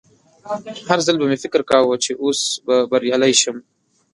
هر ځل به مې فکر کاوه چې اوس به بریالی شم